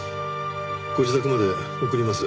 ご自宅まで送ります。